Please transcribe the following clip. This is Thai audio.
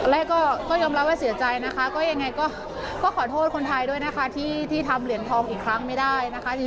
แรกก็ยอมรับว่าเสียใจนะคะก็ยังไงก็ขอโทษคนไทยด้วยนะคะที่ทำเหรียญทองอีกครั้งไม่ได้นะคะ